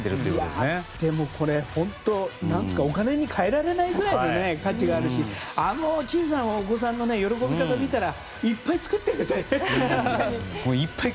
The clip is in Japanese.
でも、本当にお金に換えられないぐらいの価値があるしあの小さなお子さんの喜び方を見たらいっぱい作ってあげたい。